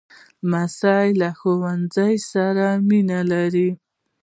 لمسی له ښوونځي سره مینه لري.